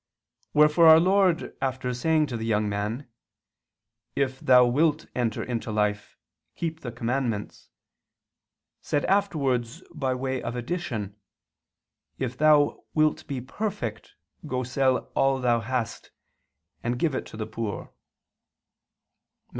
Wherefore our Lord after saying to the young man: "If thou wilt enter into life, keep the commandments," said afterwards by way of addition: "If thou wilt be perfect go sell" all "that thou hast, and give to the poor" (Matt.